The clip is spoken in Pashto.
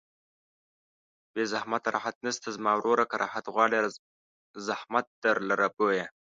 بې زحمته راحت نشته زما وروره که راحت غواړې زحمت در لره بویه